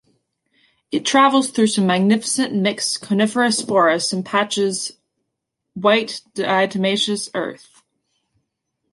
It travels through some magnificent mixed coniferous forest and patches white diatomaceous earth.